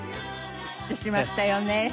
ヒットしましたよね。